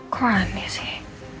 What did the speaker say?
kok aneh sih